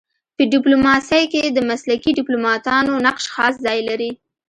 په ډيپلوماسی کي د مسلکي ډيپلوماتانو نقش خاص ځای لري.